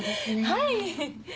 はい！